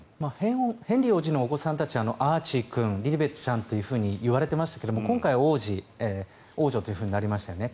ヘンリー王子のお子さんたちアーチー君、リリベットちゃんといわれていましたが今回王子王女となりましたよね。